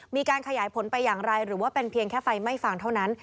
มีการขยายผลไปอย่างไรหรือว่าเป็นเพียงแค่ไฟไม่ฟังเท่านั้น